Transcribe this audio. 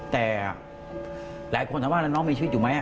แต่หลายคนถามว่าแล้วน้องมีชีวิตอยู่ไหม